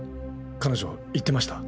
彼女言ってました？